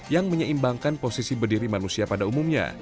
yang menyeimbangkan posisi berdiri manusia pada umumnya